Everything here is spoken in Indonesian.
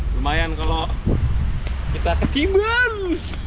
lumayan kalau kita ketimbang